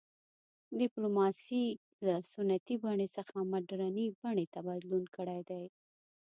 ډیپلوماسي له سنتي بڼې څخه مډرنې بڼې ته بدلون کړی دی